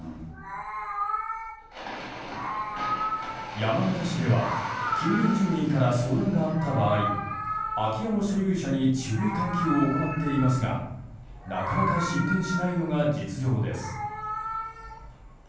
山形市では、近隣住民から相談があった場合空き家の所有者に注意喚起を行っていますがなかなか進展しないのが実情です。